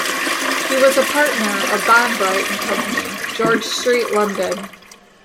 He was a partner of Bonbright and Company, George Street, London.